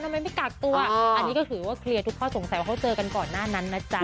ทำไมไม่กักตัวอันนี้ก็ถือว่าเคลียร์ทุกข้อสงสัยว่าเขาเจอกันก่อนหน้านั้นนะจ๊ะ